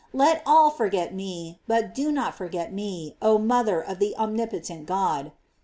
Let all forget me, but do not thou forget me, oh moth er of the omnipotent God.